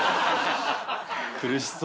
苦しそう。